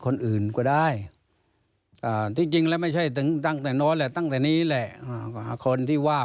เนอะแล้วมันเป็นเช่นนั้นได้